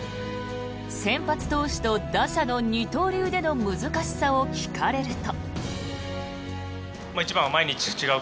先発投手と打者の二刀流での難しさを聞かれると。